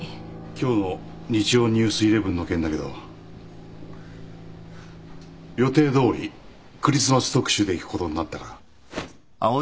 今日の『日曜ＮＥＷＳ１１』の件だけど予定どおりクリスマス特集でいくことになったから。